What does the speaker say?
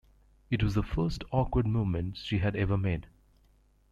It was the first awkward movement she had ever made.